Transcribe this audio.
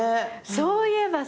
そういえばそう。